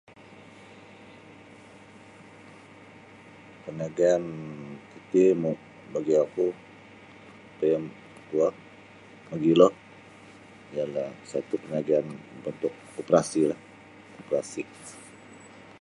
Peniagaan titi bagi oku team work mogilo ialah satu pengajian untuk koperasilah koperasi.